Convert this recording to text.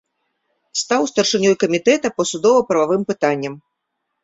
Стаў старшынёй камітэта па судова-прававым пытанням.